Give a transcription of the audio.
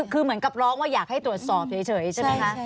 คือเหมือนกับร้องว่าอยากให้ตรวจสอบเฉยใช่ไหมคะ